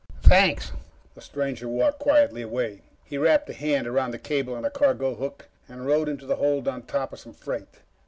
"Thanks." The stranger walked quietly away. He wrapped a hand around the cable on a cargo hook and rode into the hold on top of some freight.